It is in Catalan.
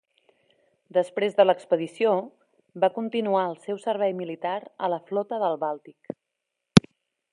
Després de l'expedició, va continuar el seu servei militar a la Flota del Bàltic.